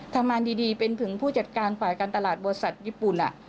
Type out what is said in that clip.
ทำงานดีเป็นถึงผู้จัดการฝ่ายการตลาดบริษัทญี่ปุ่น